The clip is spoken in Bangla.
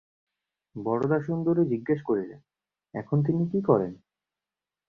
বরদাসুন্দরী জিজ্ঞাসা করিলেন, এখন তিনি কী করেন?